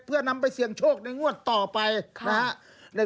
เพื่อนำไปเสี่ยงโชคในงวดต่อไปนะครับ